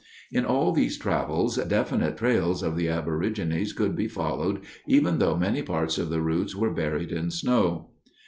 In all these travels definite trails of the aborigines could be followed even though many parts of the routes were buried in snow.